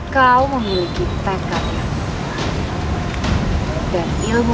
kau memiliki tekat yang baik